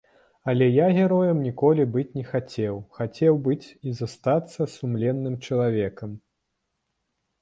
Але я героем ніколі быць не хацеў, хацеў быць і застацца сумленным чалавекам.